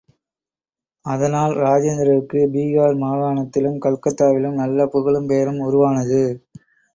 அதனால் இராஜேந்திரருக்கு பீகார் மாகாணத்திலும், கல்கத்தாவிலும் நல்ல புகழும் பெயரும் உருவானது.